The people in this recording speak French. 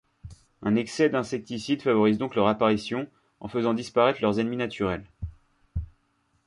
Un excès d'insecticides favorise donc leur apparition en faisant disparaître leurs ennemis naturels.